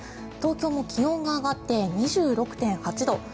東京も気温が上がって２６．８度。